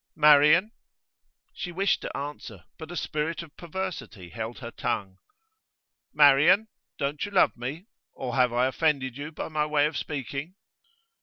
'Marian?' She wished to answer, but a spirit of perversity held her tongue. 'Marian, don't you love me? Or have I offended you by my way of speaking?